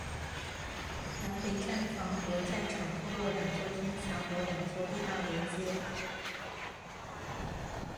南北站房和站场通过两座天桥和两座地道连接。